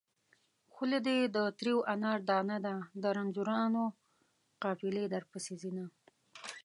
خوله دې د تريو انار دانه ده د رنځورانو قافلې درپسې ځينه